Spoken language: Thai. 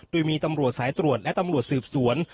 โดยมีตำรวจสายตรวจและตำรวจสืบสวน